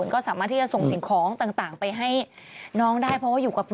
ก็สามารถที่จะส่งสิ่งของต่างไปให้น้องได้เพราะว่าอยู่กับพ่อ